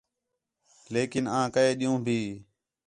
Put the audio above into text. لیکن آں کے ݙِین٘ہوں بھی